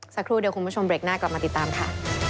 สักครู่เดียวคุณผู้ชมเบรกหน้ากลับมาติดตามค่ะ